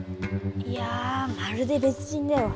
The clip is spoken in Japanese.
いやまるで別人だよ。